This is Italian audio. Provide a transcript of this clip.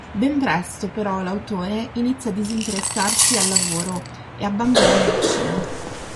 Ben presto però l'autore inizia a disinteressarsi al lavoro e abbandona medicina.